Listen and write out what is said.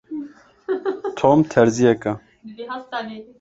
Tom terziyek e.